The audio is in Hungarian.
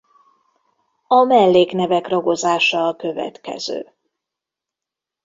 A melléknevek ragozása a következő.